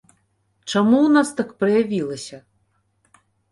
Чаму у нас так праявілася?